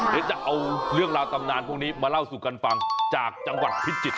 เดี๋ยวจะเอาเรื่องราวตำนานพวกนี้มาเล่าสู่กันฟังจากจังหวัดพิจิตร